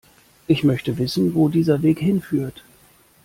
Ich möchte wissen, wo dieser Weg hinführt.